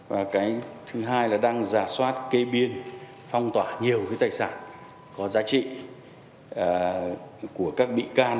và cái thứ hai là đang giả soát kê biên phong tỏa nhiều cái tài sản có giá trị của các bị can